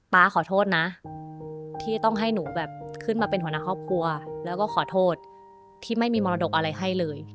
ขอโทษนะที่ต้องให้หนูแบบขึ้นมาเป็นหัวหน้าครอบครัวแล้วก็ขอโทษที่ไม่มีมรดกอะไรให้เลย